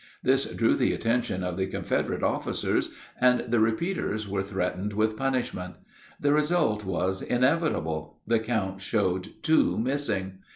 This drew the attention of the Confederate officers, and the repeaters were threatened with punishment. The result was inevitable: the count showed two missing.